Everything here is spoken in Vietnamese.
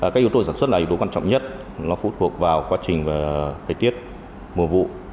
các yếu tố sản xuất này yếu tố quan trọng nhất nó phụ thuộc vào quá trình thời tiết mùa vụ